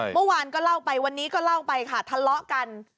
เมื่อวานก็เล่าไปวันนี้ก็เล่าไปค่ะทะเลาะกัน